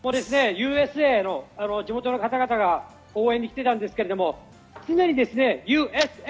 もうＵＳＡの地元の方々が応援に来てたんですけど、いきなりですね、ＵＳＡ！